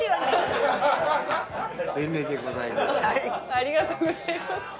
ありがとうございます。